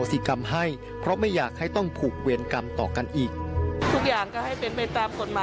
แต่ยังไงก็ต้องวอนเรื่องคดีความ